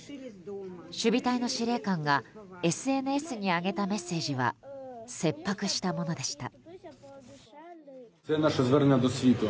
守備隊の司令官がＳＮＳに上げたメッセージは切迫したものでした。